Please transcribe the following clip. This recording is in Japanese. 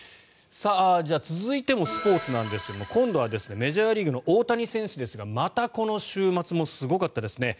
続いてもスポーツなんですが今度はメジャーリーグの大谷選手ですが、またこの週末もすごかったですね。